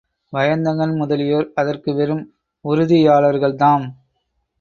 வயந்தகன் முதலியோர் அதற்கு வெறும் உறுதியாளர்கள்தாம்.